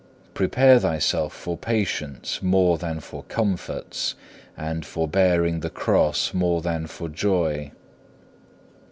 Prepare thyself for patience more than for comforts, and for bearing the cross more than for joy.